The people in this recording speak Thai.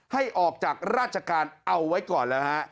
ให้ออกจากราชการเอาไว้ก่อนแล้วฮะ